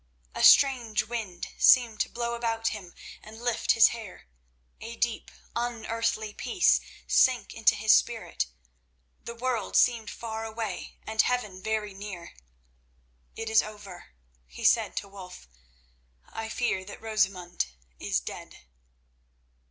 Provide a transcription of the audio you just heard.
A strange wind seemed to blow about him and lift his hair; a deep, unearthly peace sank into his spirit; the world seemed far away and heaven very near. "It is over," he said to Wulf. "I fear that Rosamund is dead."